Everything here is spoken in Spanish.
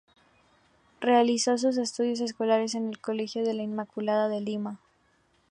Realizó sus estudios escolares en el Colegio de la Inmaculada de Lima.